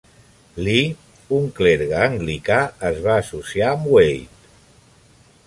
Lee, un clergue anglicà, es va associar amb Waite.